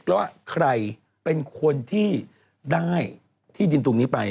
แล้วว่าใครเป็นคนที่ได้ที่ดินตรงนี้ไป